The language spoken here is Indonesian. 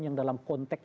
yang dalam konteks